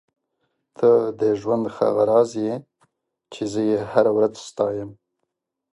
ته د ژوند هغه راز یې چې زه یې هره ورځ ستایم.